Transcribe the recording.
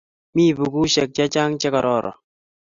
Mi pukuisyek chechang' che kororon.